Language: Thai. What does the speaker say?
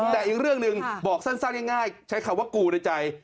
แต่อีกเรื่องหนึ่งบอกสั้นง่ายใช้คำว่ากูในใจ